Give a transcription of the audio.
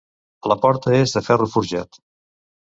La porta és de ferro forjat.